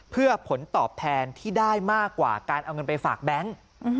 เพื่อผลตอบแทนที่ได้มากกว่าการเอาเงินไปฝากแบงค์